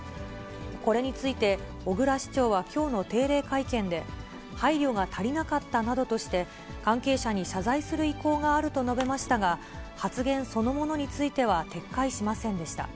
これについて小椋市長はきょうの定例会見で、配慮が足りなかったなどとして、関係者に謝罪する意向があると述べましたが、発言そのものについては、撤回しませんでした。